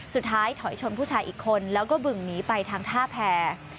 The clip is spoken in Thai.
สุดท้ายถอยชนผู้ชายอีกคนแล้วก็บึ่งหนีไปทางท่าแพร